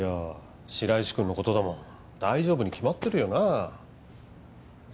白石君のことだもん大丈夫に決まってるよな。